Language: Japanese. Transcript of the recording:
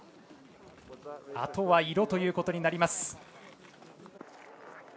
あとは色ということになります。